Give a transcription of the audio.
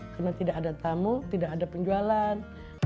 karena tidak ada tamu tidak ada penjualan